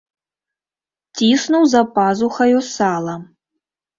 Ціснуў за пазухаю сала.